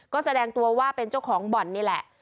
ก็แสดงตัวว่าเป็นเจ้าของบ่อนนี่แหละ